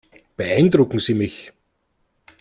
Beeindrucken Sie mich.